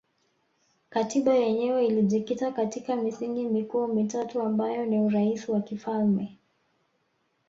Katiba yenyewe ilijikita katika misingi mikuu mitatu ambayo ni Urais wa kifalme